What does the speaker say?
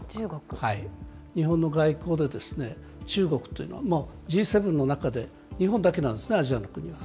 日本の外交で、中国というのは、Ｇ７の中で日本だけなんですね、アジアの国は。